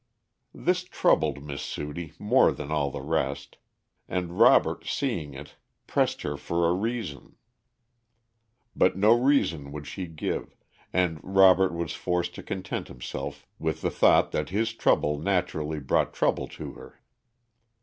This troubled Miss Sudie more than all the rest, and Robert seeing it pressed her for a reason. But no reason would she give, and Robert was forced to content himself with the thought that his trouble naturally brought trouble to her.